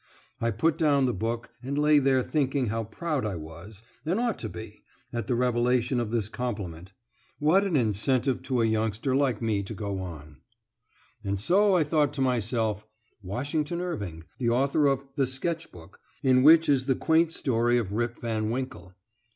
I put down the book, and lay there thinking how proud I was, and ought to be, at the revelation of this compliment. What an incentive to a youngster like me to go on. And so I thought to myself, "Washington Irving, the author of 'The Sketch Book,' in which is the quaint story of Rip Van Winkle."